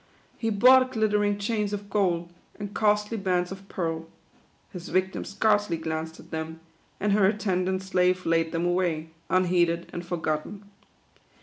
He bought glitter ing chains of gold, and costly bands of pearl. His victim scarcely glanced at them, and her attendant slave laid them away, unheeded and forgotten.